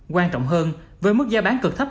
quan trọng hơn với mức giá bán cực thấp